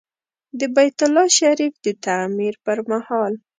د بیت الله شریف د تعمیر پر مهال.